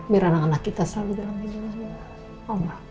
biar anak anak kita selalu dalam kejalanan